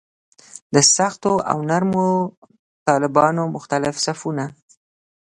د سختو او نرمو طالبانو مختلف صفونه.